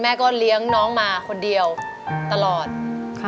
ทั้งในเรื่องของการทำงานเคยทำนานแล้วเกิดปัญหาน้อย